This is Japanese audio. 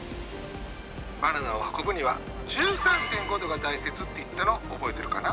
バナナを運ぶには１３．５度が大切って言ったの覚えてるかな？